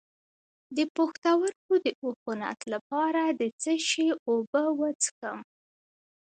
د پښتورګو د عفونت لپاره د څه شي اوبه وڅښم؟